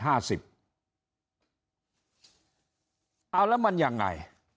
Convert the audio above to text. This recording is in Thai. เอาแล้วมันยังไง